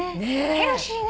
ヘルシーね。